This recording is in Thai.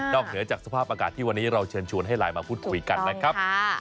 เหนือจากสภาพอากาศที่วันนี้เราเชิญชวนให้ไลน์มาพูดคุยกันนะครับ